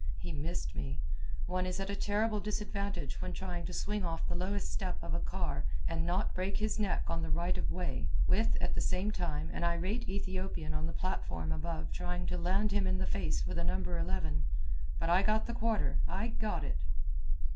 He missed me. One is at a terrible disadvantage when trying to swing off the lowest step of a car and not break his neck on the right of way, with, at the same time, an irate Ethiopian on the platform above trying to land him in the face with a number eleven. But I got the quarter! I got it!